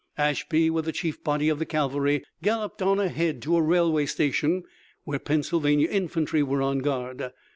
Ashby, with the chief body of the cavalry, galloped on ahead to a railway station, where Pennsylvania infantry were on guard.